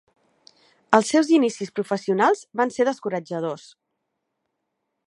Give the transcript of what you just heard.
Els seus inicis professionals van ser descoratjadors.